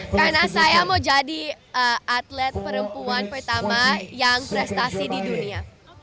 karena saya mau jadi atlet perempuan pertama yang prestasi di dunia